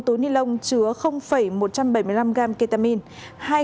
một túi nilon chứa một trăm bảy mươi năm gam ketamine